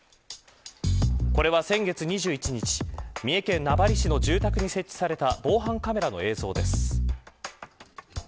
これは先月２１日三重県名張市の住宅に設置された防犯カメラの映像です。